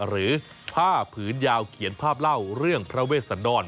หรือผ้าผืนยาวเขียนภาพเล่าเรื่องพระเวชสันดร